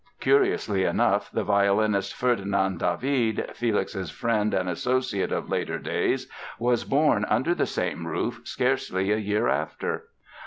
Curiously enough, the violinist Ferdinand David, Felix's friend and associate of later days, was born under the same roof scarcely a year after.